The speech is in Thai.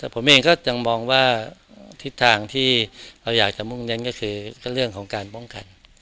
ผมเองก็ยังมองว่าทิศทางที่เราอยากจะมุ่งเน้นก็คือก็เรื่องของการป้องกัน